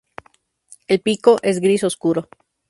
El pico es gris oscuro.